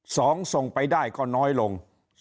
ส่งส่งไปได้ก็น้อยลง